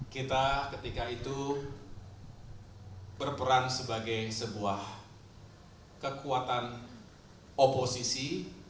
kita ketika itu berperan sebagai sebuah kekuatan oposisi